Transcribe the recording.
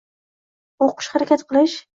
O`qish harakat qilish